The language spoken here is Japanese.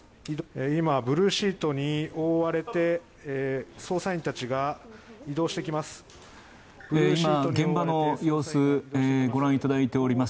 今、ブルーシートに覆われて捜査員たちが移動してきます。